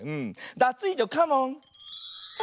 ダツイージョカモン！